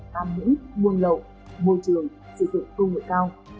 hàm lưỡng nguồn lậu môi trường sử dụng công nghệ cao